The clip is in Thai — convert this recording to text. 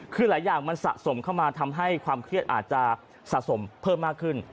คือหลายอย่างมันสะสมเข้ามาทำให้ความเครียดอาจจะสะสมเพิ่มมากขึ้น